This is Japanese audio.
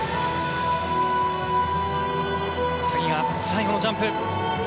次が最後のジャンプ。